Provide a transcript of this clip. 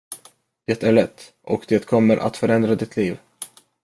Det är lätt, och det kommer att förändra ditt liv.